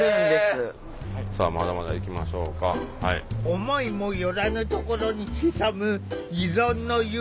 思いも寄らぬところに潜む依存の誘惑。